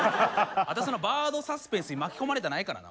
あたしもバードサスペンスに巻き込まれたないからな。